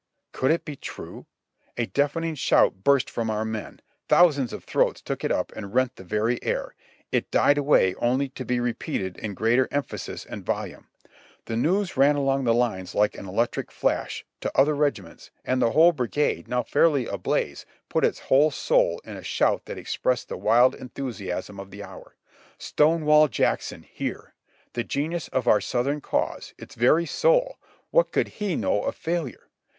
Could it be true? A deafening shout burst from our men; thousands of throats took it up and rent the very air ; it died away only to be repeated in greater emphasis and volume. The news ran along the lines like an electric flash, to other regiments, and the whole brigade, now fairly ablaze, put its whole soul in a HOT TIMES AROUND RICHMOND I/I shout that expressed the wild enthusiasm of the hour. Stonewall Jackson here ! the genius of our Southern cause — its very soul — what could he know of failure?